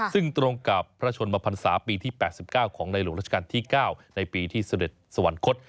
ซึ่งตรงกับพระชนมพันศาปีที่๘๙ของในหลวงราชการที่๙ในปีที่เสด็จสวรรคต